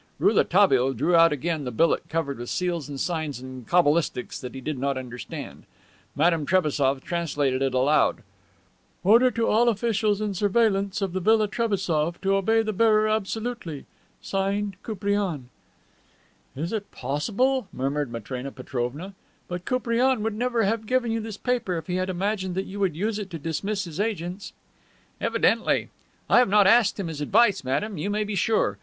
Rouletabille drew out again the billet covered with seals and signs and cabalistics that he did not understand. Madame Trebassof translated it aloud: "Order to all officials in surveillance of the Villa Trebassof to obey the bearer absolutely. Signed: Koupriane." "Is it possible!" murmured Matrena Petrovna. "But Koupriane would never have given you this paper if he had imagined that you would use it to dismiss his agents." "Evidently. I have not asked him his advice, madame, you may be sure.